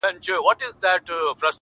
نور هم هم ورسره سوځي،